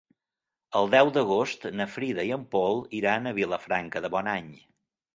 El deu d'agost na Frida i en Pol iran a Vilafranca de Bonany.